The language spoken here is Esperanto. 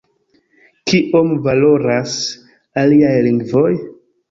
Kiom valoras “aliaj lingvoj?